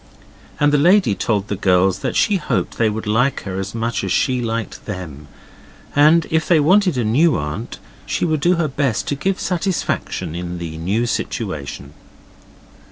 And the lady told the girls that she hoped they would like her as much as she liked them, and if they wanted a new aunt she would do her best to give satisfaction in the new situation.